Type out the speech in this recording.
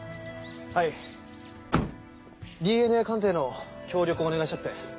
はいＤＮＡ鑑定の協力をお願いしたくて。